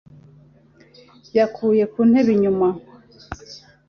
yakuye ku ntebe-inyuma